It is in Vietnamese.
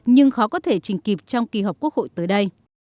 nhưng khó có thể trình kịp trong kỳ họp quốc hội tới đây